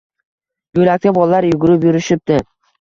Yo`lakda bolalar yugurib yurishibdi